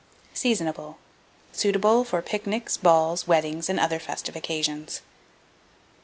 Seasonable. Suitable for pic nics, balls, weddings, and other festive occasions.